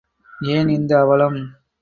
ஏன் இந்த அவலம்?